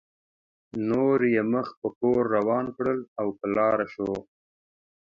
نور یې مخ په کور روان کړل او په لاره شو.